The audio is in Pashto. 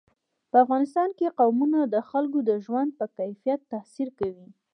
په افغانستان کې قومونه د خلکو د ژوند په کیفیت تاثیر کوي.